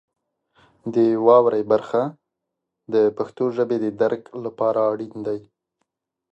د واورئ برخه د پښتو ژبې د درک لپاره اړین دی.